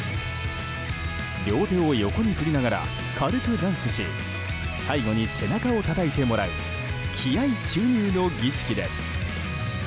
両手を横に振りながら軽くダンスし最後に背中をたたいてもらう気合注入の儀式です。